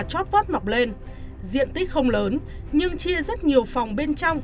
chót vót mọc lên diện tích không lớn nhưng chia rất nhiều phòng bên trong